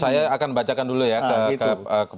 saya akan bacakan dulu ya ke